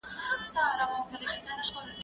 زه اوږده وخت سړو ته خواړه ورکوم.